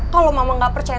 kalau mama gak percaya